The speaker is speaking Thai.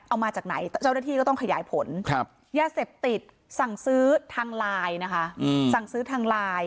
เอามาจากไหนเจ้าหน้าที่ก็ต้องขยายผลยาเสพติดสั่งซื้อทางลายนะคะ